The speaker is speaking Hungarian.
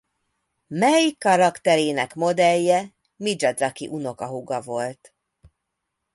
Mei karakterének modellje Mijazaki unokahúga volt.